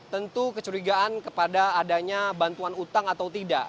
tentu kecurigaan kepada adanya bantuan utang atau tidak